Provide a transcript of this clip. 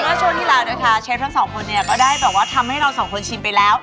ช่วงที่แล้วนะคะเชฟทั้งสองคนเนี่ยก็ได้แบบว่าทำให้เราสองคนชิมไปแล้ว